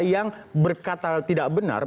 yang berkata tidak benar